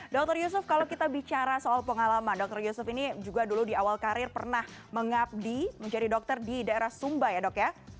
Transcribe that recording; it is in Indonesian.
dr yusuf kalau kita bicara soal pengalaman dokter yusuf ini juga dulu di awal karir pernah mengabdi menjadi dokter di daerah sumba ya dok ya